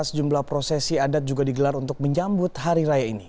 sejumlah prosesi adat juga digelar untuk menyambut hari raya ini